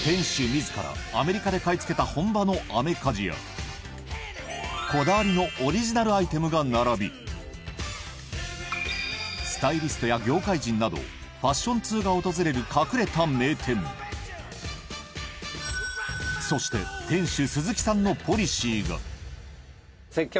自らアメリカで買い付けた本場のアメカジやこだわりのオリジナルアイテムが並びスタイリストや業界人などファッション通が訪れるそして店主